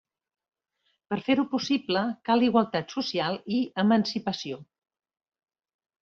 Per fer-lo possible cal igualtat social i emancipació.